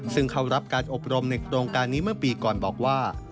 ซึ่งเขารับการอบรมในโครงการนี้เมื่อปีก่อนบอกว่า